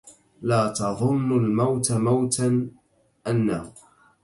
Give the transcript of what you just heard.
لا تظنوا الموت موتا أنه